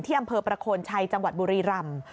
อำเภอประโคนชัยจังหวัดบุรีรำ